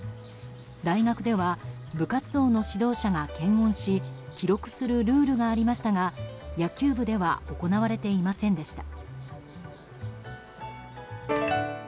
大学では部活動の指導者が検温し記録するルールがありましたが野球部では行われていませんでした。